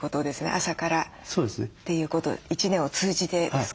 朝からということ一年を通じてですか？